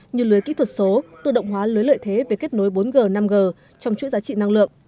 như lưới kỹ thuật số tự động hóa lưới lợi thế về kết nối bốn g năm g trong chuỗi giá trị năng lượng